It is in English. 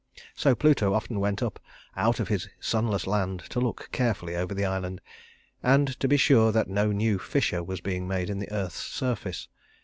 So Pluto often went up out of his sunless land to look carefully over the island, and to be sure that no new fissure was being made in the earth's surface.